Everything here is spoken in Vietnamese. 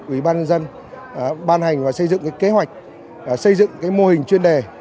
ủy ban nhân dân ban hành và xây dựng kế hoạch xây dựng mô hình chuyên đề